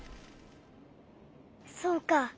そうか。